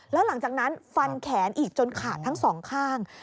แล้วหลังจากนั้นฟันแขนอีกจนขาดทั้งสองข้าง